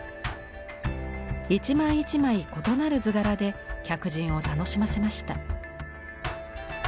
一枚一枚異なる図柄で客人を楽しませました。